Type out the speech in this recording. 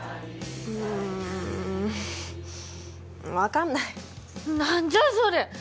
うん分かんない何じゃそれ！